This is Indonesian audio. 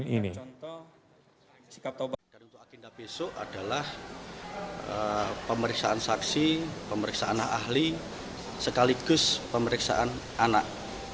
ini adalah pemeriksaan saksi pemeriksaan ahli sekaligus pemeriksaan anak